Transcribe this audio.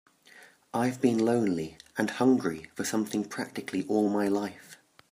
I've been lonely and hungry for something practically all my life.